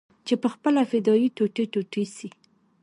چې پخپله فدايي ټوټې ټوټې سي.